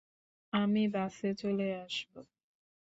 আমি বাসে চলে আসব।